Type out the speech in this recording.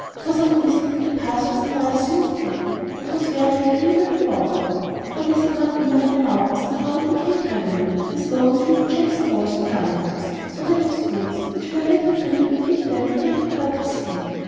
For some distance the path was a nice, smooth taffy, that was very agreeable to walk on; but as he got nearer the mountains the ground became gravelly, the stones being jackson balls and gum drops; so that his boots, which were a little green when he picked them, began to hurt his feet.